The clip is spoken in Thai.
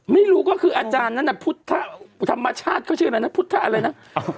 ไม่รู้ก็คืออาจารย์นั้นน่ะพุทธธรรมชาติเขาชื่ออะไรนะพุทธอะไรนะ